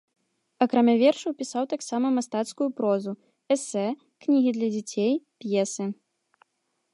Акрамя вершаў, пісаў таксама мастацкую прозу, эсэ, кнігі для дзяцей, п'есы.